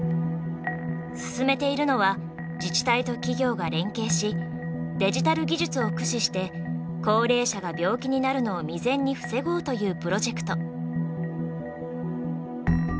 進めているのは自治体と企業が連携しデジタル技術を駆使して高齢者が病気になるのを未然に防ごうというプロジェクト。